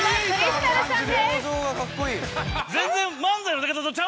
全然。